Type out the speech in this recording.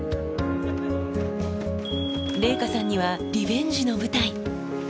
麗禾さんにはリベンジの舞台。